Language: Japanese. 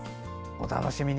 お楽しみに。